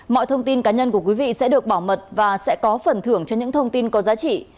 mọi thông tin cá nhân của quý vị sẽ được bảo mật và sẽ có phần thưởng cho những thông tin có giá trị